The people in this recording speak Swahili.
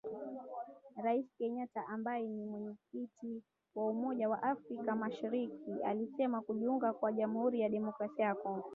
Rais Kenyatta ambaye ni Mwenyekiti wa umoja wa afrika mashariki alisema kujiunga kwa Jamuhuri ya Demokrasia ya Kongo